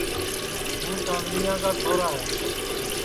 ہوں چاندنیا کا چھورا ہے